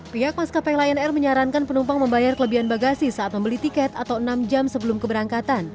pihak maskapai lion air menyarankan penumpang membayar kelebihan bagasi saat membeli tiket atau enam jam sebelum keberangkatan